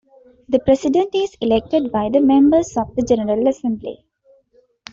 The President is elected by the members of the General Assembly.